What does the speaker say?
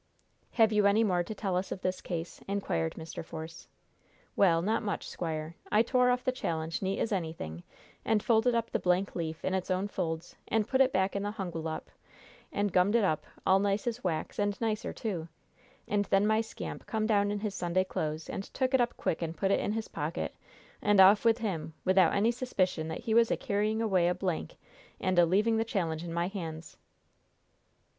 "Have you any more to tell us of this case?" inquired Mr. Force. "Well, not much, squire. I tore off the challenge neat as anything, and folded up the blank leaf in its own folds and put it back in the hungwallop, and gummed it up all nice as wax, and nicer, too; and then my scamp come down in his Sunday clothes, and took it up quick and put it in his pocket, and off with him, without any suspicion that he was a carrying away a blank and a leaving the challenge in my hands!"